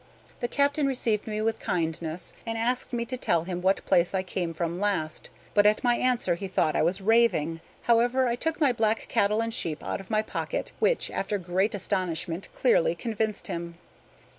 The captain received me with kindness, and asked me to tell him what place I came from last; but at my answer he thought I was raving. However, I took my black cattle and sheep out of my pocket, which, after great astonishment, clearly convinced him.